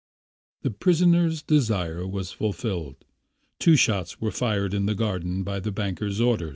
The prisoner's desire was fulfilled. Two shots were fired in the garden by the banker's order.